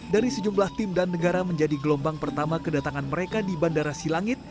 dari sejumlah tim dan negara menjadi gelombang pertama kedatangan mereka di bandara silangit